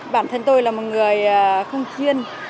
bản thân tôi là một người không chuyên